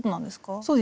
そうですね。